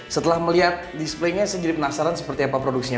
setelah melihat display nya saya jadi penasaran seperti apa produksinya